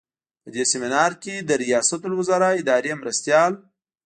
په دې سمینار کې د ریاستالوزراء اداري مرستیال.